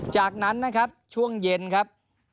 จากนั้นนะครับช่วงเย็นครับ